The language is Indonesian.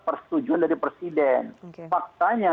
persetujuan dari presiden faksanya